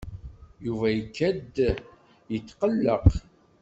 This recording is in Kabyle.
Yuba ikad-d yetqelleq.